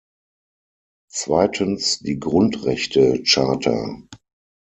Zweitens, die Grundrechtecharta.